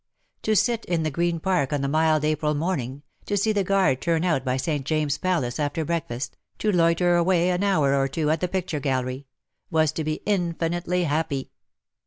To sit in the Green Park on a mild April morning, to see the guard turn out by St. Jameses Palace after break fast, to loiter away an hour or two at a picture gallery — was to be infinitely happy.